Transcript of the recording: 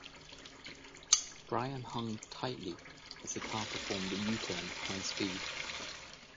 Brian hung on tightly as the car performed a U-turn at high speed.